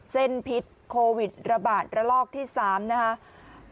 พิษโควิดระบาดระลอกที่๓นะครับ